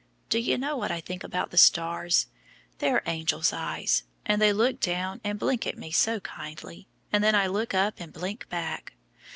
Do you know what I think about the stars? They're angels' eyes, and they look down and blink at me so kindly, and then I look up and blink back.